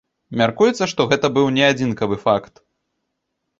Мяркуецца, што гэта быў не адзінкавы факт.